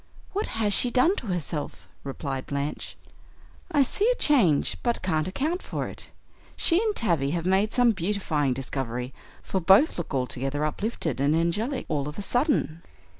"What has she done to herself?" replied Blanche. "I see a change, but can't account for it. She and Tavie have made some beautifying discovery, for both look altogether uplifted and angelic all of a sudden."